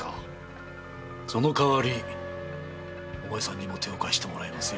その代わりお前さんにも手を貸してもらいますよ。